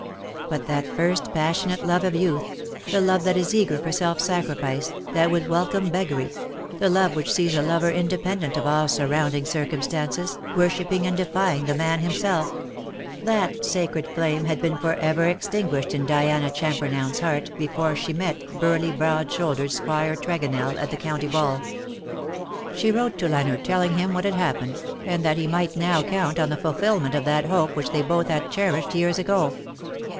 But that first passionate love of youth — the love that is eager for self sacrifice, that would welcome beggary — the love which sees a lover independent of all surround ing circumstances, worshipping and deifying the man himself — that sacred flame had been for ever extin guished in Diana Champernowne's heart before she met burly broad shouldered Squire Tregonell at the county ball. 30 " GRIEF A FIXED STAR, She wrote to Leonard telling him what had happened, and that he might now count on the fulfilment of that hope which they both had cherished years ago.